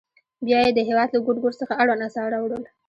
بیا یې د هېواد له ګوټ ګوټ څخه اړوند اثار راوړل.